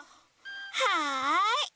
はい。